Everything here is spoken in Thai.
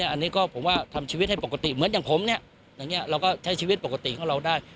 อันนี้ก็ผมว่าทำชีวิตให้ปกติเหมือนอย่างผมเนี่ยอย่างนี้เราก็ใช้ชีวิตปกติของเราได้